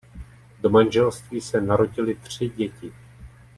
Do manželství se narodily tři děti.